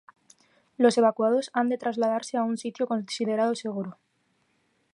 Los evacuados han de trasladarse a un sitio considerado seguro.